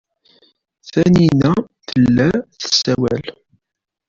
Taninna tella tessawal.